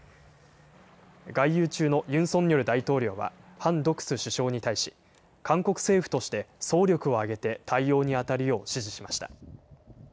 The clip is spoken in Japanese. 外遊中のユン・ソンニョル大統領はハン・ドクス首相に対し、韓国政府として、総力を挙げて対応に当たるよう指示しました。